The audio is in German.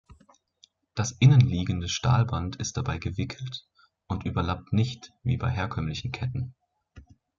Das innen liegende Stahlband ist dabei gewickelt und überlappt nicht wie bei herkömmlichen Ketten.